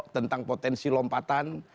tentang potensi lompatan